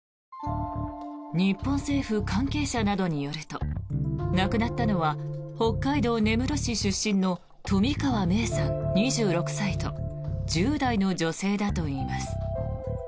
日本政府関係者などによると亡くなったのは北海道根室市出身の冨川芽生さん、２６歳と１０代の女性だといいます。